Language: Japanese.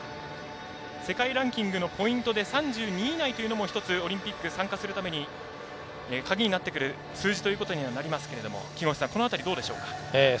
世界ランキングのポイントで３２位以内という参加するためにカギになってくる数字ということにはなりますけど木越さん、この辺りはどうでしょうか？